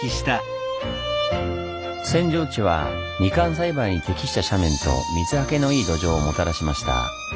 扇状地はみかん栽培に適した斜面と水はけのいい土壌をもたらしました。